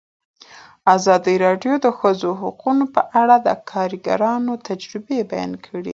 ازادي راډیو د د ښځو حقونه په اړه د کارګرانو تجربې بیان کړي.